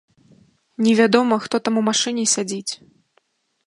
Невядома, хто там у машыне сядзіць.